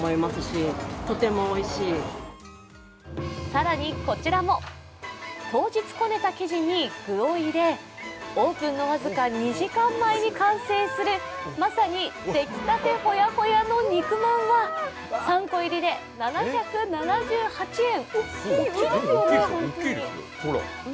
更にこちらも、当日こねた生地に具を入れオープンの僅か２時間前に完成するまさに出来たてほやほやの肉まんは３個入りで７７８円。